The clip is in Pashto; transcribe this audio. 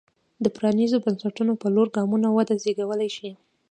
د پرانېستو بنسټونو په لور ګامونه وده زېږولی شي.